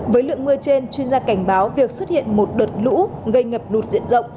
với lượng mưa trên chuyên gia cảnh báo việc xuất hiện một đợt lũ gây ngập lụt diện rộng